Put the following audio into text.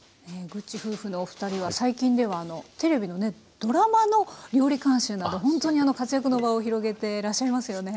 ぐっち夫婦のお二人は最近ではテレビのねドラマの料理監修などほんとに活躍の場を広げてらっしゃいますよね。